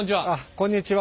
こんにちは。